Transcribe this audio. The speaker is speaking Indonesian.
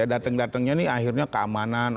dateng datengnya nih akhirnya keamanan